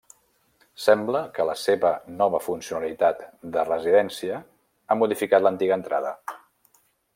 Sembla que la seva nova funcionalitat de residència ha modificat l'antiga entrada.